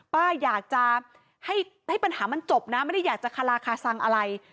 ป้าอยากจะให้ปัญหามันจบนะไม่ได้อยากจะคาราคาซังอะไร